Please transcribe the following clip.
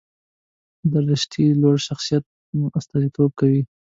دریشي د لوړ شخصیت استازیتوب کوي.